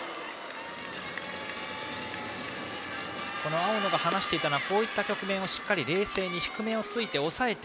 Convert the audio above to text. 青野が話していたのはこういった局面を冷静に低めをついて抑える。